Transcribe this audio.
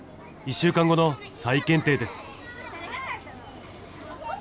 １週間後の再検定です。